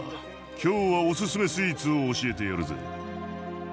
今日はおすすめスイーツを教えてやるぜ。